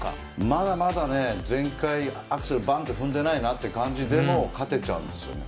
まだまだ全開のアクセル踏んでないなという感じでも勝てちゃうんですよね。